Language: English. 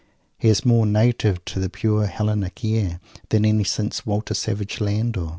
He is more native to the pure Hellenic air than any since Walter Savage Landor.